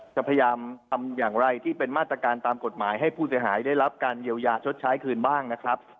พยายามทำอย่างไรที่เป็นมาตรการตามกฎหมายให้ผู้เสียหายได้รับการเยียวยาชดใช้คืนบ้างนะครับ